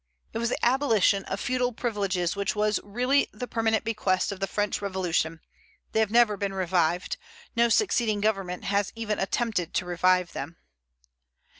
It was the abolition of feudal privileges which was really the permanent bequest of the French Revolution. They have never been revived. No succeeding government has even attempted to revive them.